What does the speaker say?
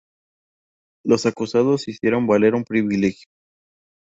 Los acusados hicieron valer un privilegio.